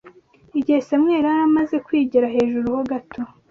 Igihe Samweli yari amaze kwigira hejuru ho gato